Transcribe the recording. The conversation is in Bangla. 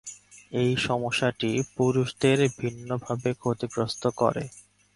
এই সমস্যাটি পুরুষদের ভিন্নভাবে ক্ষতিগ্রস্ত করে।